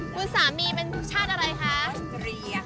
คุณสามีเป็นชาติอะไรคะ